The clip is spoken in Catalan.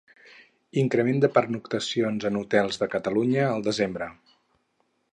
Increment de pernoctacions en hotels de Catalunya al desembre.